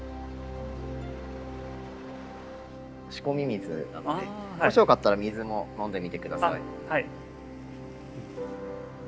仕込み水なのでもしよかったら水も飲んでみて下さい。